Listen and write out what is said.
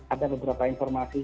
ada beberapa informasi